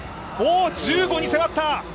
１５に迫った。